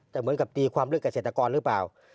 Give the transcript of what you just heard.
แต่เหมือนกับตีความเรื่องเกษตรกรหรือเปล่า